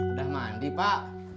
udah mandi pak